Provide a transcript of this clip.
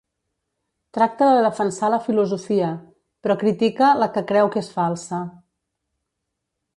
Tracta de defensar la filosofia, però critica la que creu que és falsa.